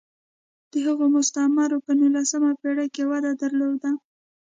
د هغو مستعمرو په نولسمه پېړۍ کې وده درلوده.